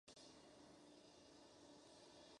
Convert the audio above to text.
A continuación, la banda hizo una gira por Europa.